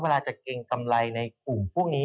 เวลาจะเกรงกำไรในกลุ่มพวกนี้